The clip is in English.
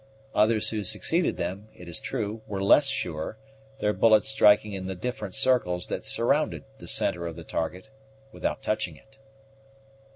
Others who succeeded them, it is true, were less sure, their bullets striking in the different circles that surrounded the centre of the target without touching it.